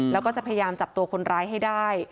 แล้วก็จะพยายามจับตัวคนร้ายให้ได้